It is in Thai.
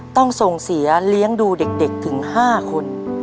ต้องส่งเสียเลี้ยงดูเด็กถึง๕คน